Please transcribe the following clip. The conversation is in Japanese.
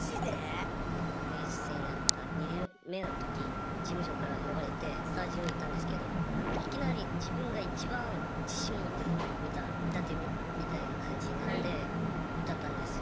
練習生になった２年目の時事務所から呼ばれてスタジオ行ったんですけどいきなり自分がいちばん自信持ってる歌歌ってみみたいな感じになって歌ったんですよ。